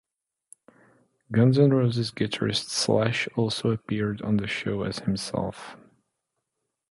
Guns N' Roses guitarist Slash also appeared on the show as himself.